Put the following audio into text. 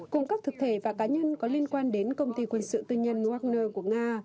cùng các thực thể và cá nhân có liên quan đến công ty quân sự tư nhân wagner của nga